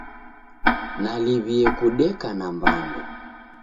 Naliw'ie kudeka na mbande!